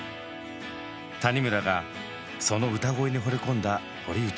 谷村がその歌声にほれ込んだ堀内。